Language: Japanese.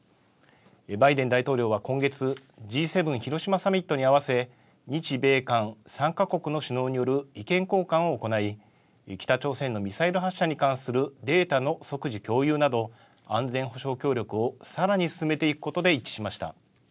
バイデン大統領は今月、Ｇ７広島サミットに合わせ、日米韓３か国の首脳による意見交換を行い、北朝鮮のミサイル発射に関するデータの即時共有など、安全保障協力をさらに進めていくことで一致しました。